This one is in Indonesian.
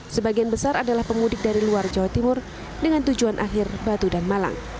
sebagian besar adalah pemudik dari luar jawa timur dengan tujuan akhir batu dan malang